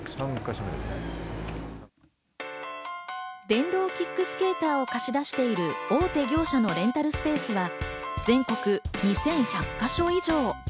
電動キックスケーターを貸し出している大手業者のレンタルスペースは、全国２１００か所以上。